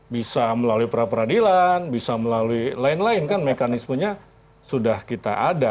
bisa melalui pra peradilan bisa melalui lain lain kan mekanismenya sudah kita ada